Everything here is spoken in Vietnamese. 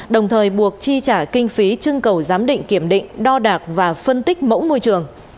đồng thời buộc chi trả kinh phí trưng cầu giám định kiểm định đo đạc và phân tích mẫu môi trường